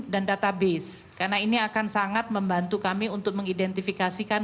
dan database karena ini akan sangat membantu kami untuk mengidentifikasikan